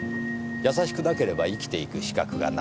優しくなければ生きていく資格がない。